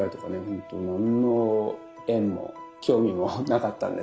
ほんと何の縁も興味もなかったんですけど。